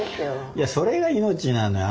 いやそれが命なのよ